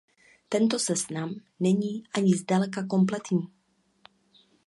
Tento seznam není ani zdaleka kompletní.